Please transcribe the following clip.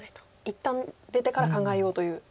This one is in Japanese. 一旦出てから考えようという。